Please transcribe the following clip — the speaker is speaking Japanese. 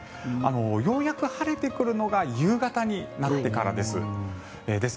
ようやく晴れてくるのが夕方になってからです。